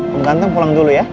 pengganteng pulang dulu ya